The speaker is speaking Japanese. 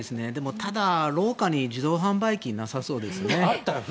ただ、廊下に自動販売機なさそうですね。